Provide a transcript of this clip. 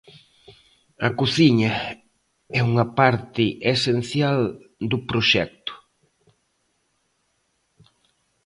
A cociña é unha parte esencial do proxecto.